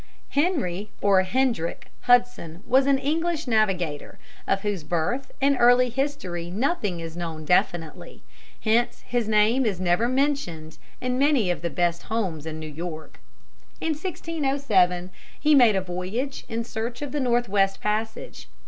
Henry or Hendrik Hudson was an English navigator, of whose birth and early history nothing is known definitely, hence his name is never mentioned in many of the best homes in New York. In 1607 he made a voyage in search of the Northwest Passage.